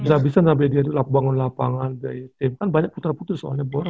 bisa bisa sampe dia tuh bangun lapangan jadi kan banyak puter puter soalnya boros lah